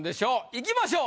いきましょう。